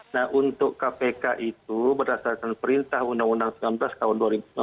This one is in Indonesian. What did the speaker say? nah untuk kpk itu berdasarkan perintah undang undang sembilan belas tahun dua ribu enam belas